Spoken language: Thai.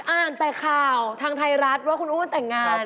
อ่านแต่ข่าวทางไทยรัฐว่าคุณอู้นแต่งงาน